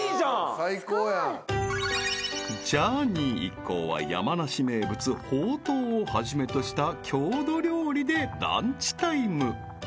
［ジャーニー一行は山梨名物ほうとうをはじめとした郷土料理でランチタイム］